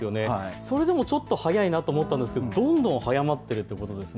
それでもちょっと早いと思ったんですが、どんどん早まっているということですね。